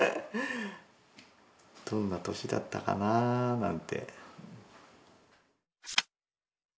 どんな年だったかなぁなんて。